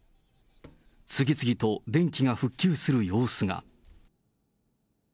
次々と電気が復旧する様子が。